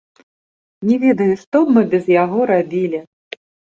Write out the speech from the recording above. Не ведаю, што б мы без яго рабілі!